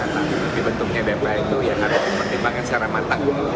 tapi dibentuknya dpa itu yang harus dipertimbangkan secara matang